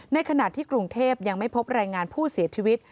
ในขณะที่กรุงเทพยังไม่พบรายงานผู้เสียชีวิต